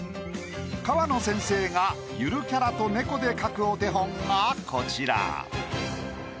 河野先生がゆるキャラと猫で描くお手本がこちら。